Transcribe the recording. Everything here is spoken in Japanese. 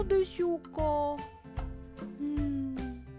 うん。